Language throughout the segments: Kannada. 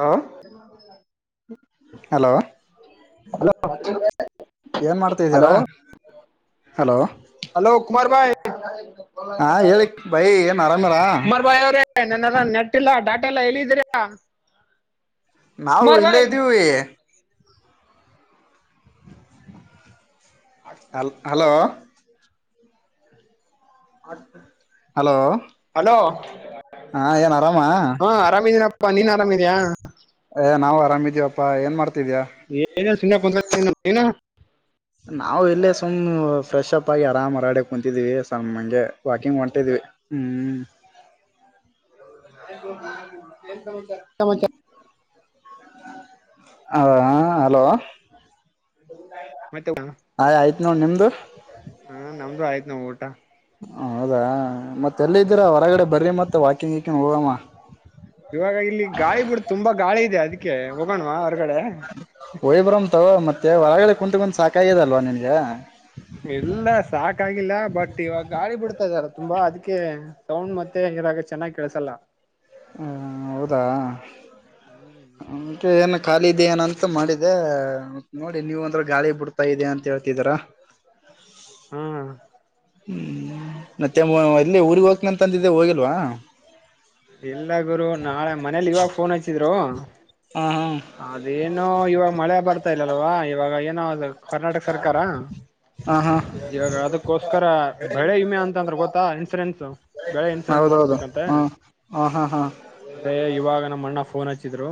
ಹಲೋ ಹಲೋ ಏನ್ ಹಲೋ ಮಾಡ್ತಾದ್ಯಾರ ಹಲೋ ಹಲೋ ಕುಮಾರ್ ಬಾಯ್ ಹಾ ಹೇಳ ಬೈ ಏನ್ ಆರಾಮಡಾ ನನಾರ ನೆಟ್ ಇಲ್ಲಾ ಡಾಟಾ ಎಲ್ಲಾ ಹೇಳಲ್ಲಿದ್ದೀರಯಾ ನಾವು ಇಲ್ಲೇ ಇದ್ದೀವಿ ಹಲೋ ಹಲೋ ಹಲೋ ಹಾ ಏನ್ ಆರಾಮಾ ಹಾ ಆರಾಮಿದೀನಪ್ಪಾ ನೀನ್ ಆರಾಮಿದಯ ನಾವ್ ಆರಾಮಿದಿವವಪ್ಪಾ ಏನ್ ಮಾಡ್ತ [unintelligible] ನಾವು ಇಲ್ಲೇ ಸುಮ್ ಫ್ರೆ ಅಪ್ ಆಗಿ ಆರಾಮ್ ಅರಡಡೆ ಕುಂತಿದೀವಿ ಸ್ಂಗೆ ವಾಕಿಂಗ್ ಹೊಂಟಿದ್ವಿ ಹ್ಮ್ [unintelligible] ಸಮಚ [unintelligible] ಹ ಹಲೋ ಮತ್ತೆ ಊಟ? ಆಯ ಆಯ್ತ್ ನೋಡ್ ನಿಮ್ದು ನೋ ಊಟಾ ಹೌದಾ ಮತ್ತ ಎಲ್ಲ ಇದಿದ್ದೀರಾ ಹೊರಗಡೆ ಬರಿ ಮತ್ತೆ ವಾಕಿಂಗ್ ಹಕಂಗ ಹೋಗಮ್ಮ ಇವಾಗ ಇಲ್ಲಿ ಗಾಳಿ ಬಿಡ ತುಂಬಾ ಗಾಳಿ ಇದೆ ಅದಕ್ಕೆ ಹೋಗೋಣ್ವಾ ಹೊರಗಡೆ ಮತ್ತ ಹೊರಗಡೆ ಕುಂತು ಕುಂತ ಸಾಕಾಯಲ್ವಾ ನಿನ್ಗ ಕಾಗಿಲ್ಲ ಬಟ್ ಇವಾಗ ಗಾಡಿ ಬಿಡ್ತಾ ಇದಾರ ತುಂಬಾ ಅದಕ್ಕೆ ಸೌಂಡ್ ಮತ್ತೆ ಇರಾಗ ಚೆನ್ನಾಗ್ ಕೆಳಸಲ್ಲ ಹ ಹೌದಾ ಹ್ಮ್ ಖಾಲಿ ಇದ ಏನಂತ ಮಾಡಿದೆ ಮತ್ ನೋಡಿ ನೀವು ಅಂದ್ರ ಗಾಳಿ ಬಿಡ್ತಾ ಇದ ಅಂತ ಹೇಳ್ತಿದೀರ ಹ್ಮ್ ಹ್ಮ್ ಮತ್ತೆ ಎಲ್ಲ ಊರ್ಗ್ ಹೋಗ್ನಂತಂದಿದ್ದೆ ಹೋಗಿಲ್ವಾ ಇಲ್ಲ ಗುರು ನಾಳೆ ಮನೇಲಿ ಇವಾಗ ಫೋನ್ ಹಚ್ಚಿದ್ರು ಹಾ ಅದೇನು ಇವಾಗ ಮಳೆ ಬರ್ತಾ ಇಲ್ಲ ಅಲ್ವಾ ಇವಾಗ ಏನ ಕರ್ನಾಟಕ ಸರ್ಕಾರ ಆಹಾ ಇವಾಗ ಅದಕ್ಕೋಸ್ಕರ ಬೆಳೆ ಇಮೆ ಅಂತ ಅಂದ್ರೆ ಗೊತ್ತಾ ಇನ್ಸೂರೆನ್ಸ್ ಬೆಳೆ ಇನ್ಸೂರೆನ್ಸ್ ಮಾಡಸ್ಬೇಕಂತೆ ಹ ಹಾ ಹಾ ಅದೇ ಇವಾಗ ನಮ್ಮ ಅಣ್ಣ ಫೋನ್ ಹಚ್ಚಿದ್ರು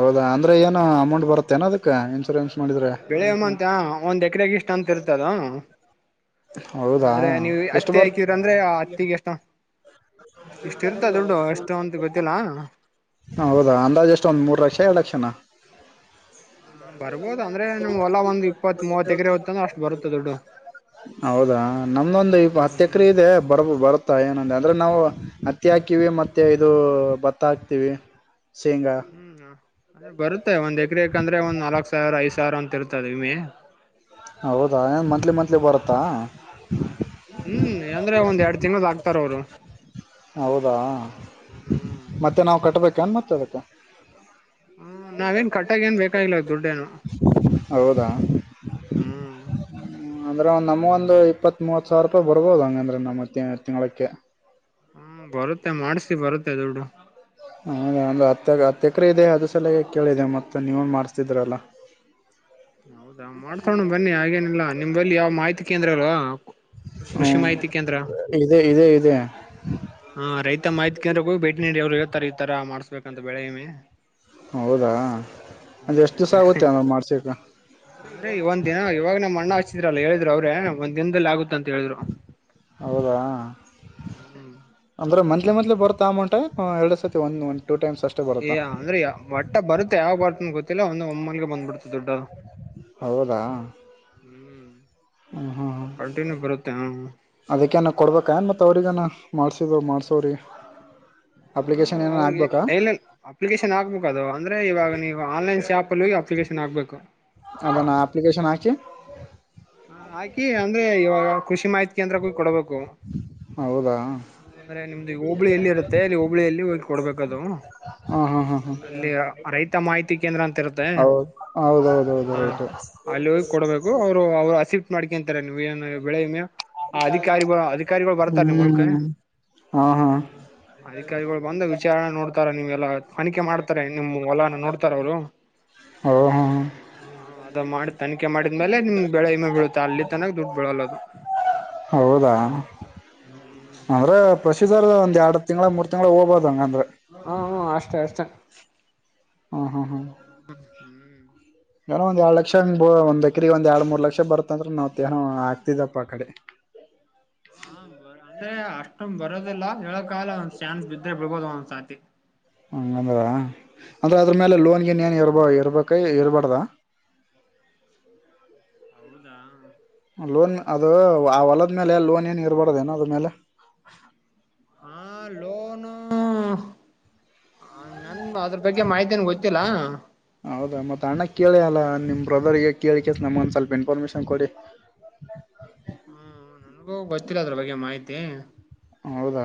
ಹೌದಾ ಅಂದ್ರೆ ಏನು ಅಮೌಂಟ್ ಬರುತ್ತೆೇನ ಅದಕ್ಕೆ ಇನ್ಸೂರೆನ್ಸ್ ಮಾಡಿದ್ರೆ ಬೆಳೆಯಮ್ಮ ಅಂತ ಒಂದ್ ಎಕರೆಗ ಇಷ್ಟ ಅಂತ ಇರ್ತದ ಹೌದಾ ಅಂದ್ರೆ ನೀವು ಎಷ್ಟು ಅತ್ತಿ ಹಾಕ್ರ ಅಂದ್ರೆ ಅತ್ತಿಗ ಎಷ್ಟ ನ ಇಷ್ಟ ಇರ್ತ ದುಡ್ಡು ಎಷ್ಟು ಅಂತ ಗೊತ್ತಿಲ್ಲ [unintelligible] ಹೌದಾ ಅಂದಾಜ ಅಷ್ಟ ಒಂದ್ ಮೂರು ಲಕ್ಷ ಎರಡ್ ಲಕ್ಷನ ಹಾ ಬರ್ಬೋದು ಅಂದ್ರೆ ನಿಮ್ ಹೊಲ ಒಂದ್ ಇಪ್ಪತ್ ಮೂವತ್ ಎಕರೆ ಹೊತ್ತು ಅಂದ್ರೆ ಅಷ್ಟ್ ಬರುತ್ತ ದುಡ್ಡು ಹೌದಾ ನಮ್ದೊಂದು ಇ ಹತ್ತ ಹ್ಮ್ ಎಕರೆ ಇದೆ ಬರಬ ಬ ಬತ್ತಾ ಏನಂದ ಅಂದ್ರೆ ನಾವು ಹತ್ತಿ ಹಾಕಿವವಿ ಮತ್ತೆ ಇದು ಭತ್ತ ಹಾಕ್ತೀವಿ ಹ್ಮ್ ಅ್ರೆ ಬರುತ್ತೆ ಒಂದ್ ಎಕ್ರಕ್ಂದ್ರೆ ಒಂದ ನಲ್ಕಕ್ ಸಾವಿರ ಐದ ಸಾವಿರ ಅಂತ ಇರುತ್ತ ಾದಮ ಹೌದಾ ಏನ್ ಮಂತ್ಲಿ ಮಂತ್ಲಿ ಬರುತ್ತಾ ಹ್ಮ್ ಅಂದ್ರೆ ಒಂದ್ ಎರಡ್ ತಿಂಗ್ಳ ಆಕ್ತಾರ ಅವ್ರು ಹೌದಾ ಹ್ಮ್ ಮತ್ತೆ ನಾವವು ಕಟ್ಬೇಕ ಅನ್ ಮತ್ತೆ ಅದಕ್ಕ ಹ್ಮ್ ನಾವೇನ್ ಕಟ್ಟಾಗ ಏನ್ ಬೇಕಾಗಿಲ್ಲ ದುಡ್ಡೇನು ಹೌದಾ [unintelligible] ಹ್ಮ್ ಅಂದ್ರೆ ಒ್ ನಮ್ೊ ಒಂದು ಇಪ್ಪತ್ ಮೂವತ್ ಸಾವಿರ ರೂಪಾಯಿ ಬರ್ಬೋದ ಹಂಗಂದ್ರೆ ನಮ್ಮ್ ತಿಂಗ್ಳಕ್ಕೆ ಹ್ಮ್ ಬರುತ್ತೆ ಮಾಡ್ಸ ಬರುತ್ತೆ ದೊಡ್ಡು ಹದ ಅಂದ್ರೆ ಹತ್ತ ಹತ್ತ ಎಕರೆ ಇದೆ ಅದ ಸಲಯಾಗಿ ಕೇಳಿದೆೆ ಮತ್ತ ನೀವನ್ ಮಾಡ್ಸ್ತಿದ್ರಲ್ಲ ಹೌದಾ ಮಾಡ್ತಣ ಬನ್ನಿ ಹಾಗೇನಿಲ್ಲ ನಿಮಲ್ಲಿ ಯಾವ ಮಾಹಿತಿ ಕೇಂದ್ರ ಅಲ್ವಾ ಹ್ಞೂ ಕೃಷಿ ಮಾಹಿತಿ ಕೇಂದ್ರ ಇದೆ ಇದೆ ಇದೆ ಹಾ ರೈತ ಮಾಹಿತಿ ಕಂದ್ರ ಹೋಗಿ ಭೇಟಿ ನೀಡಿ ಅವ್ರು ಹೇಳ್ತಾರೆ ತರ ಮಾಡ್ಸ್ಬೇಕಂತ ಬೆಳೆಯಮ್ಮೆ ಹೌದಾ ಅಂದೆ ಎಷ್ಟ್ ದಿವ್ಸ ಆಗುತ್ತೆರು ಮಾಡ್ಸಕ್ಕ ಅಂದ್ರೆ ಇ ಒಂದ್ ದಿನ ಇವಾಗ ನ್ ಅಣ್ಣ ಹಚ್ಚ್ಚಿದ್ರಲ್ಲ ಹೇಳಿದ್ ಅವ್ರೇ ಒಂದ್ ದಿನದಲ್ಲಿ ಆಗುತ್ತೆ ಹೌದಾ ಹ್ಮ್ ಅಂದ್ರೆ ಮ ಮದೇ ಮದಲ ಬರ್ತ ಅಮೌಂಟ್ ಎರಡು ಸರ್ತಿ ಒಂದು ಒ ಯ ಅಂದ್ರೆ ವಟ್ಟ ಬರುತ್ತೆ ಯಾವ ಬಟ್ಟನ ಗೊತ್ತಿಲ್ಲ ಒಂದ ಒಮ್ಮಲ್ಗ ಬಂದ್ಬಿಡ್ತೆ ದುಡ್ಡ ಹೌದಾ ಹ್ಮ್ ಹ್ಮ್ ಹ್ಮ ಕಂಟಿನ್ಯೂ ಬರುತ್ತೆ ಹ ಅದಕ್ಕನ ಕೊಡ್ಬೇಕನ್ ಮತ್ತ ಅವ್ರಗಾನ ಮಾಡ್ಸಿದವ ಮಾಡ್ಸವ್ರಿ ಹಾ ಅವ್ರಿಗೆ ಅಪ್ಲಿಕೇಶನ್ ಆಗ್ಬೇಕ ಅದು ಅಂದ್ರೆ ಇವಾಗ ನೀವು ಆನ್ಲೈನ್ ಶಾಪ್ ಅಪ್ಲಿಕೇಶನ್ ಆಗ್ಬೇಕು ಅದನ್ನು ಆಪ್ಲಿಕೇಶನ್ ಆಾಕಿ ಹಾಕಿ ಅಂದ್ರೆ ಇವಾಗ ಕೃಷಿ ಮಾಹಿತಿ ಕೇಂದ್ರಕ್ಕೂ ಕೊಡಬೇಕು ಹೌದಾ ಅಂದ್ರೆ ನಿಮ್ದು ಈ ಹೋಬ್ಳಿಯಲ್ಲಿ ಇರುತ್ತೆ ಅಲ್ಲಿ ಹೋಬಳಿಯಲ್ಲಿ ಹೋಗಿ ಕೊಡ್ಬೇಕದು ಹಾ ಹಾ ಹಾ ಹಾ ಅಲ್ಲಿ ರೈತ ಮಾಹಿತಿ ಕೇಂದ್ರ ಅಂತ ಇರುತ್ತೆ ಹೌದ ಹೌದೌದೌದು ಹಾ ರೈಟ್ ಅಲ್ಲಿ ಹೋಗಿ ಕೊಡ್ಬೇಕು ಅವ್ರು ಅವ್ರು ಶಿಫ್ಟ್ ಮಾಡ್ಕೊಂತಾರೆ ನೀವ್ ಏನು ಬೆಳೆಮ ಆ ಅಧಿಕಾರಿಗಳು ಅಧಿಕಾರಿಗಳು ಬರ್ತಾರ್ ನಿಮ್ಮೊಲ್ಕ ಹ್ಮ್ ಹಾ ಹಾ ಅಧಿಕಾರಿಗಳು ಬಂದ ವಿಚಾರಣೆ ನೋಡ್ತಾರ ನಿಮ್ಮ್ ಎಲ್ಲ ತನಿಖೆ ಮಾಡ್ತಾರೆ ನಿಮಮ್ಮ್ ಹೊಲನ ನೋಡ್ತಾರ ಅವ ಹ ಹಓ ಹಾ ಹ ಅದ ಮಾಡಿ ತಿಖೆ ಮಾಡಿದ್ಮೇಲೆ ನಿಮ್ ಬೆಳೆ ಇಮೆ ಬೀಳುತ್ತೆ ಅಲ್ಲಿ ತನಕ ದುಡ್ಡು ಬಿೀಳಲ್ಲ ಅದು ಹೌದಾ ಹ್ಮ್ ಅಂದ್ರ ಪ್ರಸೀಧರ್ದ ಒಂದ್ ಎರಡ್ ತಿಂಗಳ ಮೂರ್ ತಿಂಗ್ಳ ಹೋಗ್ಬೋದು ಹಂಗಂದ್ರೆ ಹಾ ಹ್ಮ ಅಷ್ಟೇ ಅಷ್ಟೇ ಹಾ ಹಾ ಹಾ ಹ್ಮ್ ಏನೋ ಒಂದ್ ಎರಡ್ ಲಕ್ಷ ಹಂಗ ಬ ಒಂದ್ಕ್ರಿಗೆ ಒಂದ್ ಎರಡ್ ಮೂರ್ ಲಕ್ಷ ಬರ್ತ್ತಂದ್ರ ನಾವ್ ತೇಏನೋ ಆಗ್ತಿದಪ್ಪ ಆ ಕಡೆ ಹ ಹಾ ಬರ ಅಂದ್ರೆ ಅಷ್ಟೊ ಬರ ಬರೋದಿಲ್ಲ ಹೇಳ ಕಾಲ ಒಂದ್ ಶ್ಯಾನ್ ಬಿದ್ರೆ ಬಿಡ್ಬೋದು ಒಂದ್ಸತಿ ಹಂಗಂದರಾ ಅಂದ್ರೆ ಅದ್ರ ಮೇಲೆ ಹ್ಮ್ ಲೋನ್ಗೆಿನ್ಏನ್ ಇರ್ಬ ಇರ್ಬೇಕ ಇರ್ಬಾರ್ದ ಹೌದಾ ಲೋನ್ ಅದು ಆ ಹೊಲದ ಮೇಲೆ ಲೋನ್ ಏನ್ ಇರ್ಬಾರಡದೇಏನ ಅದ ಮೇಲೆ ಹಾ ಲೋನು ನನ್ ಅದ್ರ ಬಗ್ಗೆ ಮಾಹಿತನ್ ಗೊತ್ತಿಲ್ಲ ತಣ ಕೇಳಿ ಅಲ್ಲ ನಿಮ್ ಬ್ರದರ್ಗ ಕೇಳಿ ಕ ನಮ್ಮೊಂದ ಸ್ವಲ್ಪ ಇನ್ಫಾರ್ಮೇಶನ್ ಕೊಡಿ ಹ್ಮ ನನ್ಗೂ ಗೊತ್ತಿಲ್ಲ ಅದ್ರ ಬಗ್ಗೆ ಮಾಹಿತಿ ಹದ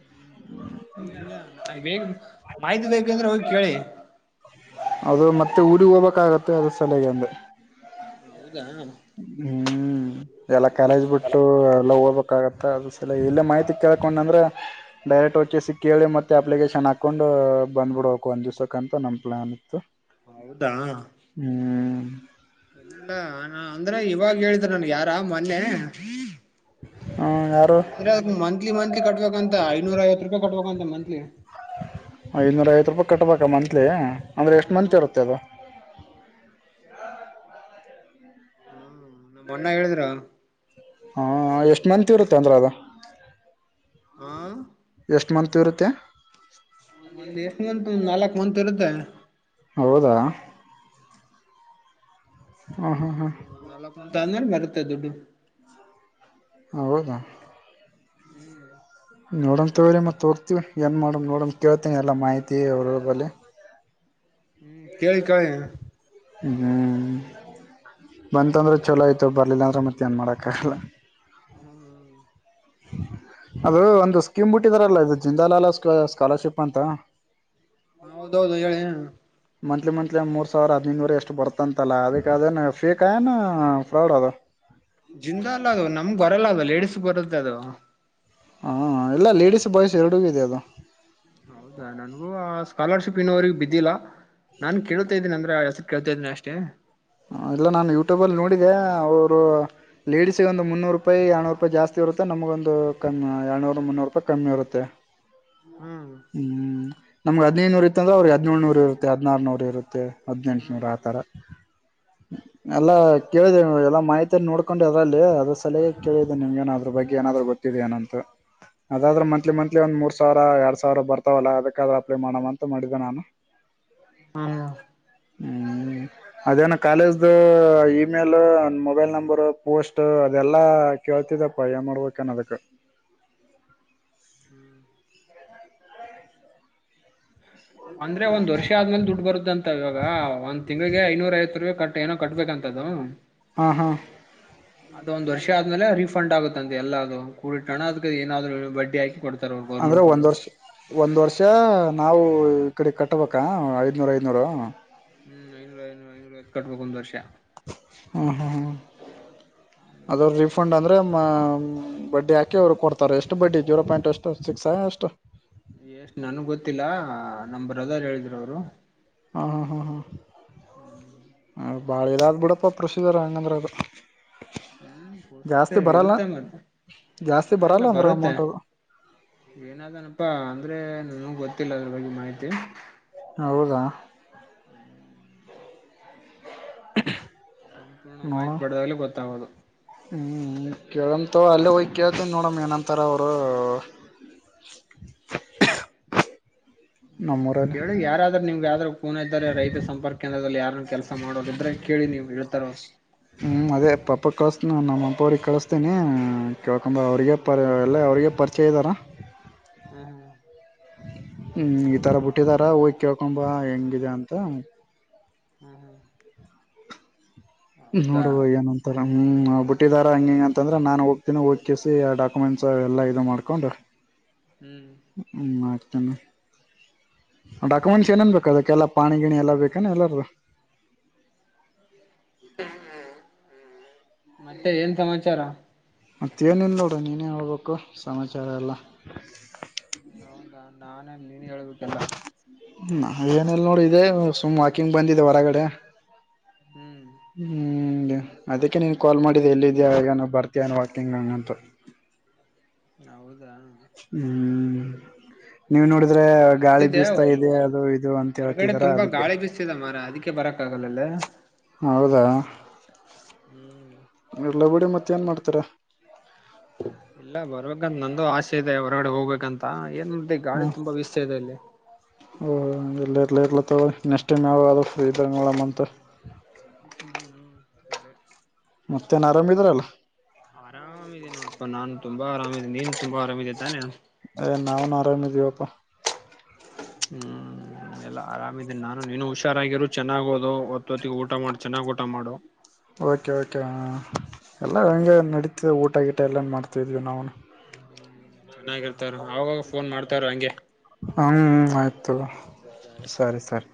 ಹ್ಮ್ ಹಂಗ ಬೇಗ ಮಾಹಿತಿ ಬೇಕುಂದ್ರೆ ಹೋಗಿ ಕೇಳಿ ಅದು ಮತ್ತೆ ಊರಿಗೆ ಹೋಗ್ಬೇಕಾಗತ್ತೆ ಅದ ಸಲೆಗೆ ಅಂದ್ರೆ ಹ ಹೌದಾ ಹ್ಮ್ ಎಲ್ಲ ಕಾಲೇಜ್ ಬಿಟ್ಟು ಎಲ್ಲ ಹೋಗ್ಬೇಕ ಅ ಸಲ ಇಲ್ಲೇ ಮಾಹಿತಿ ಕೇಳಕೊಂಡ ಅಂದ್ರೆ ಡೈರೆಕ್ಟ್ ವ ಸಿ ಕೇಳಿ ಮತ್ತೆ ಅಪ್ಲಿಕೇಶನ್ ಅಕೌೊಂಡು ಬಂದ್ಬಿಡ್ಬೇಕು ಒಂದ್ ದ್ಸಕ್ಕಂತ ನಮ್ ಪ್ಲಾನ್ ಇತ್ತು ಹೌದಾ ಹ್ಮ್ ಇಲ್ಲ ನ ಅಂದ್ರೆ ಇವಾಗ ಹೇಳಿದ್ರ ನನ್ ಯಾರ ಮೊನ್ನೆ ಹ ಯಾರು ಅಂದ್ರೆ ಅದ ಮಂತ್ಲಿ ಮಂತ್ಲಿ ಕಟ್ಬೇಕಂತ ಐನೂರ ಐವ ರೂಪಾಯಿ ಕಟ್ಬೇಕಂತ ಮಂತ್ಲಿ ಇನ್ನೂರ ಐವತ್ತು ರೂಪಾಯಿ ಕಟ್ಬೇಕಾ ಮಂತ್ಲಿ ಅಂದ್ರರೆ ಎಷ್ಟು ಮಂತ್ ಹ್ಮ್ ಇರುತ್ತೆ ಅದು ಹ್ಮ ನಮ್ಮ ಅಣ್ಣ ಹೇಳಿದಿರ ಮತ್ ಇರುತ್ತೆ ಅಂದ್ರ ಅದ ಆ ಎಷ್ಟು ಮಂತು ಇರುತ್ತೆ ಒಂದ್ ಎಷ್ಟು ಮತ್ ನಾಲ್ಕ್ ಮಂತತ್ ಇರುತ್ತೆ ಹೌದಾ ಹಾಂ ಹಾಂ ಹಾಂ ಹ್ಮ್ ನಾಕ್ ಅ ಮರುತ್ತೆ ದುಡ್ಡು ಹೌೌದದ ಹ್ಮ್ ನೋಡಣ ತಗ್ರಿ ಮತ್ ಹೋಗ್ತಿವಿ ಏನ್ ಮಾಡ ನೋಡಣ ಕೇಳ್ತನಿ ಎಲ್ಲಾ ಮಾಹಿತಿ ಅವ್ರ ಬಳಿ ಹ್ಮ್ ಕೇಳ ಕಾಯ ಹ್ಮ್ ಬಂತಂದ್ರೆ ಚೊಲೋ ಆಯ್ತು ಬರ್ಲಿಲ್ಲ ಅಂದ್ರೆ ಮತ್ತೆ ಏನ್ ಮಾಡಕ್ ಆಗಲ್ಲ ಹ್ಮ್ ಅದು ಒಂದು ಸ್ಕೀಮ್ ಬಿಟ್ಟಿದಾರಲ್ಲ ಇದು ಜಿಂದಾಲಾಲಾ ಸ್ಕಾಲರ್ಶಿಪ್ ಅಂತ ಹ ಹೌದೌದು ಹೇಳಿ ಮಂತ್ಲಿ ಮಂತ್ಲಿ ಮೂರು ಸಾವಿರ ಹದ್ಿನೈದುವರೆ ಎಷ್ಟು ಬರ್ತಂತಲ್ಲ ಅದಕ್ಕೆ ಅದೇ ಫೇಕಕ್ಯನ ್ರಡ್ ಅದು ಜಿಂದ ಎಲ್ಲ ಅದು ನಮ್ಗ್ ಬರಲ್ಲ ಅದು ಲೇಡಿಸ್ ಬರದ ಅದು ಹಾ ಎಲ್ಲ ಲೇಡಿಸಸ್ ಬಾಯ್ಸ್ ಎರಡೂಗೂ ಇದೆ ಅದು ಹೌದಾ ನನ್ಗೂ ಆಸ್ ಸ್ಕಾಲರ್ಶಿಪ್ ಇನ್ನೋವ್ರಿಗೆ ಬಿದ್ದಿಲ್ಲ ನಾನ್ ಕೇಳ್ತಾ ಇದ್ದೀನಿ ಅಂದ್ರೆ ಅದಕ್ ಅದನ್ ಅಷ್ಟೇ. ಹ ಇಲ್ಲ ನಾನ ಯೂಟ್ಯೂಬಲ್ಲಿ ನೋಡಿದೆ ಅವರು ಲೇಡಿಸಸಿಗೆ ಒಂದು ಮುನ್ನೂರ ರೂಪಾಯಿ ಎಳ್ನೂರು ರೂಪಾಯಿ ಜಾಸ್ತಿ ಇರುತ್ತೆ ನಮಗೊಂದು ಕಮ್ಮ ಎಡನೂರ್, ಮುನ್ನೂರು ರೂಪಾಯಿ ಕಮ್ಮಿ ಇರುತ್ತೆ. ಹ್ಮ್ ಹ್ಮ್ ನಮಗ್ ಹದ್ನೈದುನೂರ ಇತ್ತ ಅಂದ್ರೆ ಅವ್ರಿಗೆ ಹದಿನೇಳುನೂರು ಇರುತ್ತೆ, ಹದ್ನಾರನೂರ್ ಇರುತ್ತೆ. ಹದಿನೆಂಟುನೂರ ಹ್ಮ್ ಆ ತರಾ. ಎಲ್ಲಾ ಕೇಳಿದೆೇ ಎಲ್ಲಾ ಮಾಹಿತಿಯನ್ನ್ ನೋಡ್ಕೊಂಡು ಇದ್ರಲ್ಲಿ ಅದರ್ ಸಲಹೆ ಕೇಳಿದೆ ನಿಮ್ಗೆನಾದ್ರೂ ಬಗ್ಗೆ ಬಗ್ಗೆ ಏನಾದ್ರು ಗೊತ್ತಿದೆ ಏನಂತ. ಅದಾದ್ರ ಮಂತ್ಲಿ ಮಂತ್ಲಿ ಒಂದ್ ಮೂರ್ ಸಾವಿರ ಎರಡ್ ಸಾವಿರ ಬರ್ತಾವಲ್ಲ ಅದಕ್ ಅದ್ರಾಗ್ ಪೇ ಮಾಡೋಣ ಅಂತ ಮಾಡಿದ್ದೆ ನಾನು. ಹ್ಮು ಅದೇನ ಕಾಲೇಜ್ದ ಅ ಇದ್ ಇಮೇಲ್ ಮೊಬೈಲ್ ನಂಬರ್ ಪೋಸ್ಟ್ ಅದೆಲ್ಲಾ ಕೇಳ್ತಿದಪ್ಪ ಏನ್ ಮಾಡ್ಬೇಕನ್ ಅದಕ್. [inaudible] ಅಂದ್ರೆ ಒಂದ್ ವರ್ಷ ಆದ್ಮೇಲೆ ದುಡ್ಡು ಬರುತ್ ಅಂತ ಇವಾಗ ಒಂದ್ ತಿಂಗಳಿಗೆ ಐನೂರ ಐವತ್ ರೂಪಾಯಿ ಕಟ್ಟ ಏನೋ ಕಟ್ಟಬೇಕಂತೆ ಅದು ಹಾ ಹಾ ಒಂದ್ ವರ್ಷ ಆದ್ಮೇಲೆ ರೀಫಂಡ್ ಆಗುತ್ತೆ. ಅಂದ್ ಎಲ್ಲಾರ್ದು [unintelligible] ಬಡ್ಡಿ ಹಾಕಿ ಕೊಡ್ತ ಅಂದ್ರೆ ಒಂದ್ ವರ್ಷ ಒಂದ್ ವರ್ಷ ನಾವು ಓ ಈ ಕಡೆ ಕಟ್ಟಬೇಕ ಐದ್ನೂರು ಐದ್ನೂರು. ಹ್ಮ್ ಐನೂರ ಐನೂರ [unintelligible] ಕಟ್ಬೇಕು ಒಂದ ವರ್ಷ. ಹಾ ಹಾ ಅದರದ ರಿಫಂಡ್ [unintelligible] ಹಾ ಬಡ್ಡಿ ಹಾಕಿ ಅವ್ರು ಕೊಡ್ತಾರೆ ಎಷ್ಟು ಬಡ್ಡಿ ಜೀರೋ ಪಾಯಿಂಟ್ ಎಷ್ಟು ಸಿಕ್ಸ್ ಎಷ್ಟು ಎಷ್ಟ್ ನನ್ಗ್ ಗೊತ್ತಿಲ್ಲ ನಮ್ ಬ್ರದರ್ ಹೇಳಿದರು ಅವರು. ಹಾ ಹಾ ಹಾ ಹ್ಮು ಹಾ ಬಾಳ ಇರಾದ್ ಬಿಡಪ್ಪ ಪ್ರೊಸೀಸ್ಸರ್ ಹಂಗಂದ್ರೆ ಅದು. ಹ್ಮು ಮತ್ತೆ ಜಾಸ್ತಿ ಬರಲ್ಲ ಇರುತ್ತೆ ಮತ್ತೆ ಜಾಸ್ತಿ ಅವೆಲ್ಲ ಬರಲ್ಲ ಅಂದ್ರ ಬರುತ್ತೆ. ಅಮೌಂಟ್ ಅದು ಏನಾದನಪ್ಪಾ ಅಂದ್ರೆ ನನ್ಗು ಗೊತ್ತಿಲ್ಲ ಅದರ ಬಗ್ಗೆ ಮಾಹಿತಿ. ಹೌದಾ [unintelligible] ಸಂಪೂರ್ಣ ಮಾಹಿತಿ ನೋಡ [unintelligible] ಗೊತ್ತಾಗೋದು. ಕೇಳಂತಗೋ ಅಲ್ಲೇ ಹೋಗಿ ಕಳ್ತನ್ ನೋಡುನ್ ಏನಂತಾರ ಅವರು ನಮ್ಮೂರಲ್ಲಿ ಕೇಳ ಯಾರಾದ್ರರು ನಿಮ್ಗೆ ಯಾವಾದ್ರರು ಖುನ್ ಇದ್ದಾರೆ ರೈತ ಸಂಪರ್ಕ [unintelligible] ಯಾರ ಕೆಲಸ ಮಾಡೋರು ಇದ್ರೆ ಕೇಳಿ ನೀವು ಹೇಳ್ತಾರ ಅವ್ರು. ಹ್ಮು ಅದೇ ಪಾಪ ಕಳಸ್ತನ್ ನಮ್ಮ ಅಪ್ಪ ಅವ್ರಿಗೆ ಕಳಸ್ತೇನಿ ಕೇಳ್ಕಂಬ ಅವ್ರರಿಗೆ ಹ್ಮ್ ಪರ ಎಲ್ಲ ಅವ್ರಿಗೆ ಪರಿಚಯ ಇದ್ದಾರಾ. ಹು ಹು. ಹ್ಮು ಈತರ ಬಿಟ್ಟಿದಾರ ಹೋಗ್ ಕಳ್ಕೊಂಬ ಹೆಂಗಿದೆ ಅಂತ. ಹ್ಮು ಹ್ಮು. ನೋಡುವ ಏನಂತರ ಹ್ಮ್ ಅವ್ರ್ ಬಿಟ್ಟಿದಾರ ಹಂಗಿಂಗ್ ಅಂತಂದ್ರೆ ನಾನು ಹೋಗ್ತೀನಿ [unintelligible] ಆ ಡಾಕ್ಯುಮೆಂಟ್ಸ್ ಎಲ್ಲ ಇದು ಮಾಡ್ಕೊಂಡ್ ಹ್ಮ್ ಮಾಡ್ತನ್ ಡಾಕ್ಯುಮೆಂಟ್ಸ್ ಏನೇನ್ ಹೌದಾ ಬೇಕ ಅದಕ್ಕೆ ಎಲ್ಲ ಪಾಣಿ ಗಿಣಿ ಎಲ್ಲ ಬೇಕಾನ ಎಲ್ಲಾರು. ಮತ್ತೆ ಏನ್ ಸಮಾಚಾರ. ಮತ್ತೇ ಏನಿಲ್ಲ ನೋಡ್ರಿ ನೀನೇ ಹೇಳ್ಬೇಕು ಸಮಾಚಾರ ಎಲ್ಲ. ನೀನು ಹೇಳ್ಬೇಕೆಲ್ಲ. ನಾ ಏನಿಲ್ಲ ನೋಡ್ ಇದೇಗ್ ಸುಮ್ ವಾಕಿಂಗ್ ಬಂದಿದೆ ಹೊರಗಡೆ. ಹ್ಮು ಗೆ ಅದಕ್ಕೆ ನಿಂಗ್ ಕಾಲ್ ಮಾಡಿದೆ ಎಲ್ಲಿ ಇದಿಯಾ ಏನ್ ಬರ್ತೀಯಾ ವಾಕಿಂಗ್ ಹಂಗ ಅಂತ. ಹೌದು ಹ್ಮು ನೀವ್ ನೋಡಿದ್ರೆ ಗಾಳಿ ಬರ್ತಿದ್ದೆ ಬಿಸ್ತಾ ಇದೆ ಅಲ್ವಾ ಅದು ಇದು ಅಂತ ಹೇಳ್ತಿದಿರಾ ಅದಕ್ಕೆ. ಅಕೆ ಬರಕ್ಕಾಗಲ್ಲಲ್ಲ ಹೌದಾ ಹ್ಮ್ ಇರ್ಲ ಬಿಡಿ ಮತ್ತ ಏನ್ ಮಾಡಾತಾರ ಇಲ್ಲ ಬರ್ಬೇಕಂತ ನಂದು ಆಸೆ ಇದೆ ಹೊರಗಡೆ ಹೋಗ್ಬೇಕಂತ ಏನ್ ಮಾಡ್ರಿ ಗಾಳಿ ತುಂಬಾ ಬಿಸ್ತ ಇದೆ ಅಲ್ಲಿ ಓ ಇಲ್ಲ ಇರಲ ಇರ್ಲ ತಗ ನೆಕ್ಸ್ಟ್ ಟೈಮ್ ಯಾವ ಅದು ಫ್ರೀ ಇದ್ದಂಗಲ್ಲಮ್ಮಂತ ಹ್ಮ್ ಹ್ಮ್ ಸಾರೆ ಮತ್ತೇನ್ ಆರಾಮಭ ಇದ್ರಲ್ಲ ಆರಾಮಿದೆ ನೋಡಪ್ಪಾ ನಾನ್ ತುಂಬಾ ಆರಾಮಿದೆನೆ ನೀನ್ ತುಂಬಾ ಆರಾಮಿದೆ ತಾನೇ ನಾವುನ್ ಆರಾಮ ಹ್ಮ್ ಎಲ್ಲ ಆರಾಮಿದೀನಿ ನಾನು ನೀನು ಹುಷಾರಾಗಿರರು ಚೆನ್ನಾಗೋದು ಒತ್ತೊತ್ತಿಗೆ ಊಟ ಮಾಡು ಚೆನ್ನಾಗ್ ಊಟ ಮಾಡು ಓಕೆ ಓಕೆ ಹ ಎಲ್ಲ ಹೆಂಗ ನಡೀತ ಊಟಗ ಟೇಲಂಟ್ ಮಾಡ್ತಿದ್ವಿ ನಾನು ಹ್ಮ ಚೆನ್ನಾಗಿರ್ತಾರ ಆಗ ಫೋನ್ ಮಾಡ್ತಾರ ಹಂಗೆ ಹ ಆಯ್ತು ಸರಿ ಸರಿ